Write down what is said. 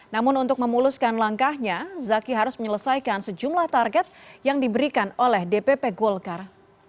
namun untuk memuluskan langkahnya zaki harus menyelesaikan sejumlah target yang diberikan oleh dpp golkar